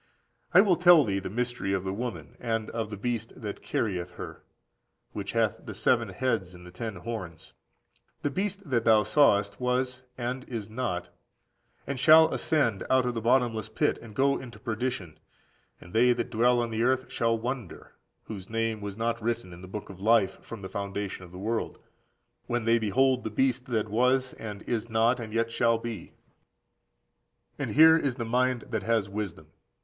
I will tell thee the mystery of the woman, and of the beast that carrieth her, which hath the seven heads and the ten horns. The beast that thou sawest was, and is not; and shall ascend out of the bottomless pit, and go into perdition: and they that dwell on the earth shall wonder (whose name was not written in the book of life from the foundation of the world) when they behold the beast that was, and is not, and yet shall be.14761476 καὶ παρέσται, for the received καίπερ ἐστί. 38. "And here is the mind that has wisdom.